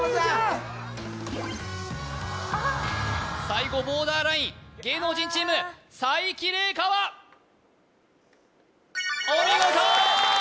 最後ボーダーライン芸能人チーム才木玲佳はお見事！